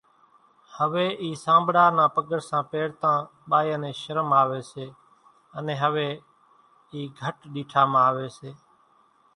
هويَ اِي سانٻڙا نان پڳرسان پيرتان ٻايان نين شرم آويَ سي انين هويَ اِي گھٽ ڏيٺا مان آويَ سي۔